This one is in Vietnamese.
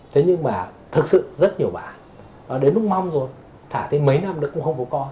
thế nhưng mà thật sự rất nhiều bạn đến lúc mong rồi thả thế mấy năm nữa cũng không có con